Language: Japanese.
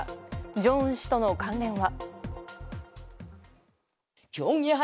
ジョンウン氏との関連は。